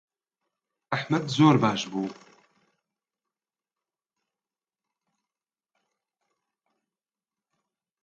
ئەحمەد زۆر باش بوو.